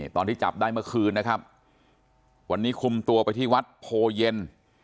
ตอนที่จับได้เมื่อคืนนะครับวันนี้คุมตัวไปที่วัดโพเย็น